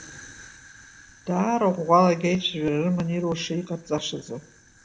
Даара ӷәӷәалагьы аицәажәара рыман ируша-иҟарҵашазы…